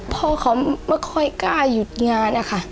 พ่อเขาไม่ค่อยกล้าหยุดงานนะคะ